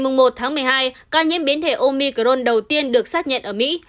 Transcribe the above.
ngày một tháng một mươi hai ca nhiễm biến thể omicron đầu tiên được xác nhận ở mỹ